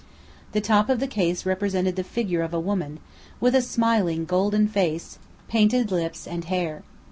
The top of the case represented the figure of a woman, with a smiling golden face, painted lips and hair.